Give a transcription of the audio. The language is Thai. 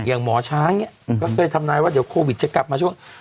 หมอช้างเนี่ยก็เคยทำนายว่าเดี๋ยวโควิดจะกลับมาช่วง